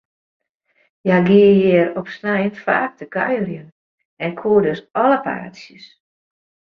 Hja gie hjir op snein faak te kuierjen, en koe dus alle paadsjes.